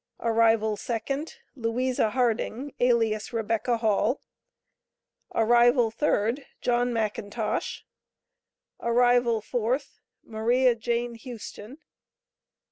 Arrival 2d. Louisa Harding, alias Rebecca Hall. Arrival 3d. John Mackintosh. Arrival 4th. Maria Jane Houston.